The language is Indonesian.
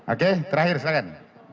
oke terakhir silahkan